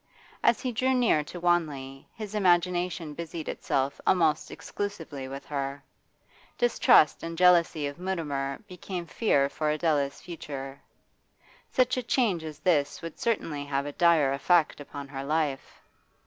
As he drew near to Wanley his imagination busied itself almost exclusively with her; distrust and jealousy of Mutimer became fear for Adela's future. Such a change as this would certainly have a dire effect upon her life.